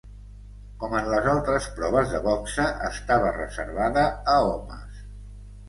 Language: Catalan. Com en les altres proves de boxa estava reservada a homes.